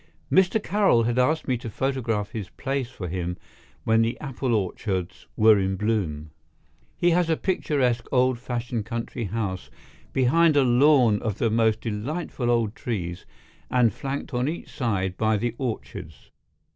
Mr. Carroll had asked me to photograph his place for him when the apple orchards were in bloom. He has a picturesque old fashioned country house behind a lawn of the most delightful old trees and flanked on each side by the orchards.